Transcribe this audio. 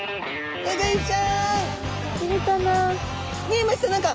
見えました何か。